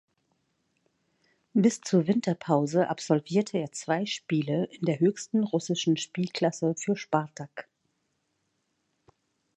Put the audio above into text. Bis zur Winterpause absolvierte er zwei Spiele in der höchsten russischen Spielklasse für Spartak.